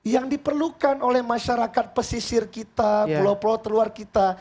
yang diperlukan oleh masyarakat pesisir kita pulau pulau terluar kita